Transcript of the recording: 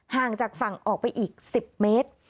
ห่างจากฝั่งออกไปอีก๑๐เมตร